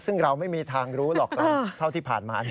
ซึ่งเราไม่มีทางรู้หรอกเท่าที่ผ่านมา